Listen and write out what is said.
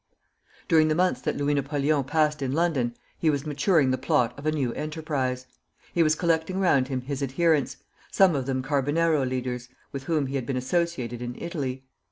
During the months that Louis Napoleon passed in London he was maturing the plot of a new enterprise. He was collecting round him his adherents, some of them Carbonaro leaders, with whom he had been associated in Italy.